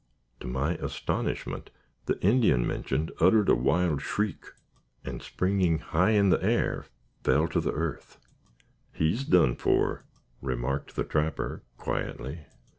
To my astonishment, the Indian mentioned uttered a wild shriek, and springing high in the air, fell to the earth. "He's done for," remarked the trapper, quietly.